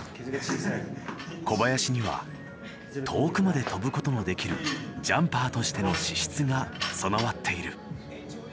小林には遠くまで飛ぶことのできるジャンパーとしての資質が備わっている。